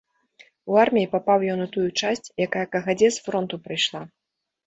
У арміі папаў ён у тую часць, якая кагадзе з фронту прыйшла.